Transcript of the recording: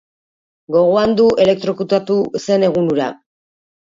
Gogoan du elektrokutatu zen egun hura.